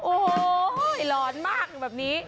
โอ้โหหลอนมากแบบนี้